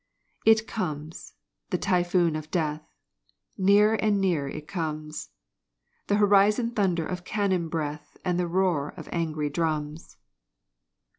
It comes, the Typhoon of Death Nearer and nearer it comes! The horizon thunder of cannon breath And the roar of angry drums!